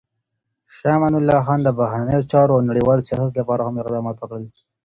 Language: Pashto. شاه امان الله خان د بهرنیو چارو او نړیوال سیاست لپاره هم اقدامات وکړل.